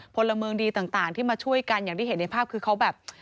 พลเมืองดีต่างที่มาช่วยกันอย่างที่เห็นในภาพคือเขาแบบ